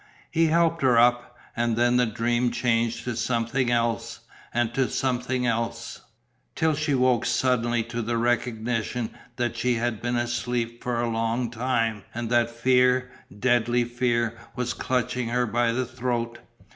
He helped her up and then the dream changed to something else, and to something else, till she woke suddenly to the recognition that she had been asleep for a long time and that fear, deadly fear, was clutching her by the throat.